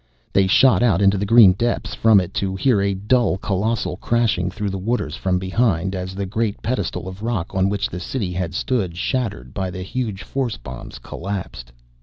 They shot out into the green depths from it to hear a dull, colossal crashing through the waters from behind as the great pedestal of rock on which the city had stood, shattered by the huge force bombs, collapsed.